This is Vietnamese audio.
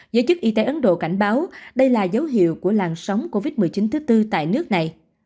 giới chức y tế ấn độ cảnh báo đây là dấu hiệu của làn sóng covid một mươi chín thứ tư tại nước này